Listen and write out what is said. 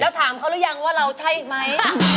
แล้วถามเขารู้ยังว่าเราใช่มั้ย